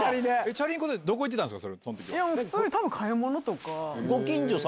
チャリンコでどこ行ってたんすか？